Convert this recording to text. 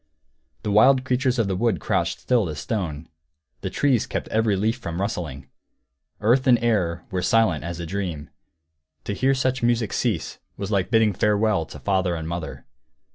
The wild creatures of the wood crouched still as stone; the trees kept every leaf from rustling; earth and air were silent as a dream. To hear such music cease was like bidding farewell to father and mother.